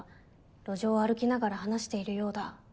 路上を歩きながら話しているようだ」。